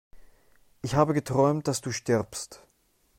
Ich habe geträumt, dass du stirbst!